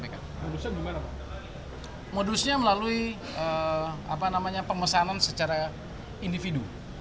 terusnya melalui pengesanan secara individu